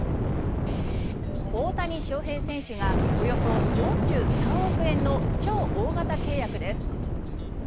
大谷翔平選手がおよそ４３億円の超大型契約です。